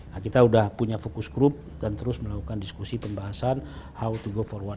nah kita sudah punya fokus group dan terus melakukan diskusi pembahasan how to go for one